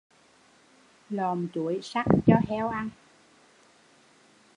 Lọm chuối sắc cho heo ăn